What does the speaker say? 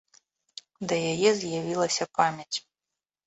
Да яе з'явілася памяць.